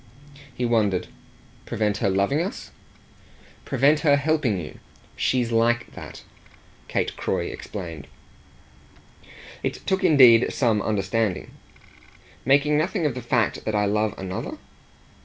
He wondered. "Prevent her loving us?" "Prevent her helping you. She's LIKE that," Kate Croy explained. It took indeed some understanding. "Making nothing of the fact that I love another?"